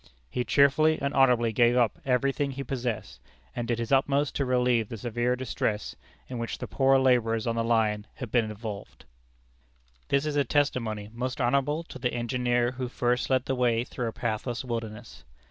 He cheerfully and honorably gave up every thing he possessed, and did his utmost to relieve the severe distress in which the poor laborers on the line had been involved." This is a testimony most honorable to the engineer who first led the way through a pathless wilderness.